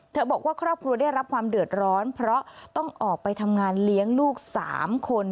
บอกว่าครอบครัวได้รับความเดือดร้อนเพราะต้องออกไปทำงานเลี้ยงลูก๓คน